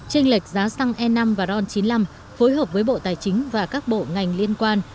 tranh lệch giá xăng e năm và ron chín mươi năm phối hợp với bộ tài chính và các bộ ngành liên quan